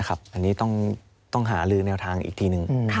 อันนี้ต้องหาลือแนวทางอีกทีหนึ่ง